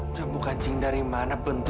iya bu baik terima kasih